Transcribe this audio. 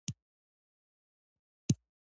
د شمال په ډیرو سیمو کې یوازې یوه راډیو وي